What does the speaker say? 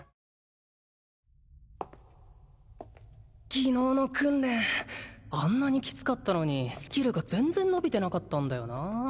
昨日の訓練あんなにキツかったのにスキルが全然伸びてなかったんだよなあ